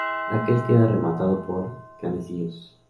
Aquel queda rematado por canecillos.